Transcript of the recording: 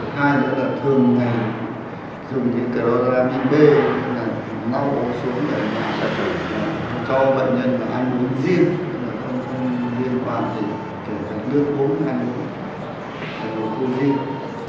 thứ hai là thường ngày dùng cái chloramin b nấu xuống ở nhà cho bệnh nhân ăn uống riêng không liên quan gì đến nước uống ăn uống ăn uống riêng